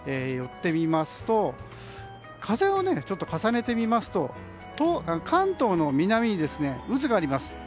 寄ってみますと風はね、ちょっと重ねてみますと関東の南に渦があります。